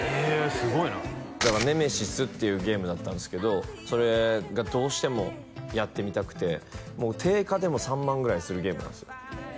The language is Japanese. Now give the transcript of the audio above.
すごいなだから「ネメシス」っていうゲームだったんですけどそれがどうしてもやってみたくてもう定価でも３万ぐらいするゲームなんですよ